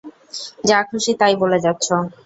যা খুশিঁ তাই বলে যাচ্ছ।